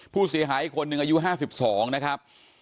ผู้เสียหายอีกคนนึงอายุ๕๒นะครับ